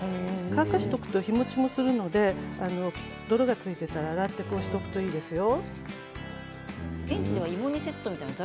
乾かしていると日もちもするので泥がついていると洗っておくといいですよ。